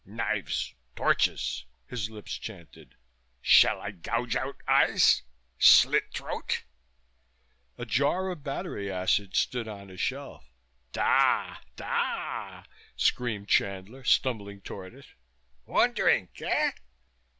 "Knives, torches," his lips chanted. "Shall I gouge out eyes? Slit throat?" A jar of battery acid stood on a shelf, "Da, da!" screamed Chandler, stumbling toward it. "One drink eh?